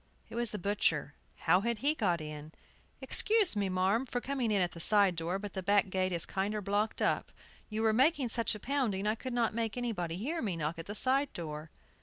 It was the butcher. How had he got in? "Excuse me, marm, for coming in at the side door, but the back gate is kinder blocked up. You were making such a pounding I could not make anybody hear me knock at the side door."